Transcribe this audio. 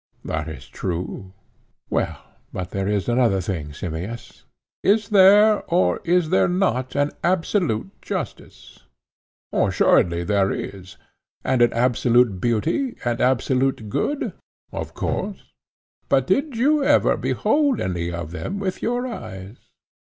That is true. Well, but there is another thing, Simmias: Is there or is there not an absolute justice? Assuredly there is. And an absolute beauty and absolute good? Of course. But did you ever behold any of them with your eyes?